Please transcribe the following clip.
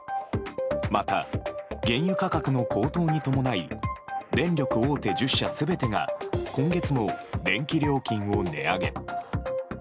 また、原油価格の高騰に伴い電力大手１０社全てが今月の電気料金を値上げ。